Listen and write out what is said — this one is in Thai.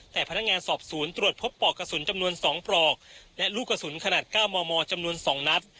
แต่พนักงานสอบสวนตรวจพบปลอกกระสุนจำนวน๒ปลอกและลูกกระสุนขนาด๙มมจำนวน๒นัด